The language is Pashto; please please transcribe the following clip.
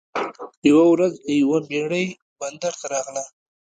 یوه ورځ یوه بیړۍ بندر ته راغله.